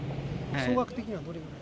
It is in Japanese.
総額的にはどれくらい？